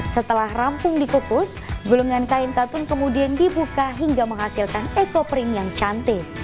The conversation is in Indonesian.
setelah rampung dikukus gulungan kain katun kemudian dibuka hingga menghasilkan ekoprint yang cantik